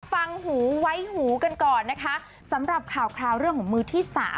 ฟังหูไว้หูกันก่อนนะคะสำหรับข่าวคราวเรื่องของมือที่สาม